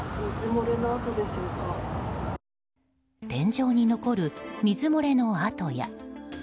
天井に残る水漏れの跡や。